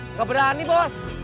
nggak berani bos